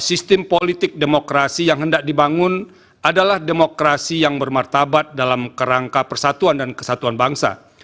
sistem politik demokrasi yang hendak dibangun adalah demokrasi yang bermartabat dalam kerangka persatuan dan kesatuan bangsa